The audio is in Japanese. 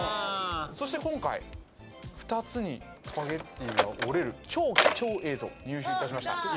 そして今回２つにスパゲッティが折れる超貴重映像入手いたしました